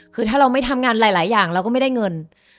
คือถ้าเราไม่ทำงานหลายอย่างเราก็ไม่ได้เงิน